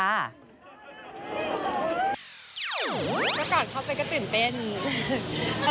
ก็ก่อนเข้าไปก็ตื่นเต้น